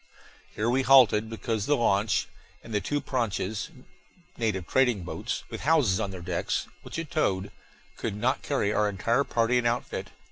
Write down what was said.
Here we halted, because the launch, and the two pranchas native trading boats with houses on their decks which it towed, could not carry our entire party and outfit.